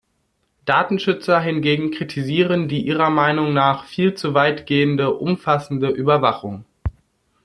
Datenschützer hingegen kritisieren die ihrer Meinung nach viel zu weit gehende umfassende Überwachung.